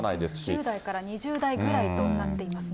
１０代から２０代ぐらいとなっていますね。